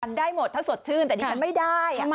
มันได้หมดถ้าสดชื่นแต่ดิฉันไม่ได้